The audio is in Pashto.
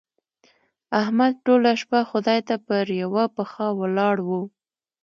احمد ټوله شپه خدای ته پر يوه پښه ولاړ وو.